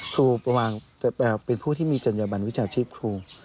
เป็นผู้ที่มีจัญญบันวิชาชีพครู